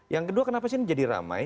yang kedua kenapa sih ini jadi ramai